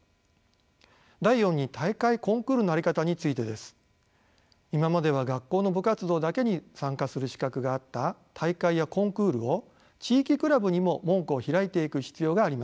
第四に大会・コンクールのあり方についてです。今までは学校の部活動だけに参加する資格があった大会やコンクールを地域クラブにも門戸を開いていく必要があります。